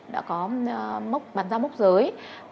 đã có bàn giao mốc giới